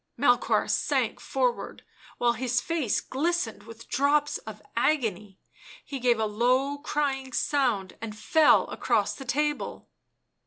Melchoir sank forward, while his face glistened with drops of agony ; he gave a low crying sound and fell across the table.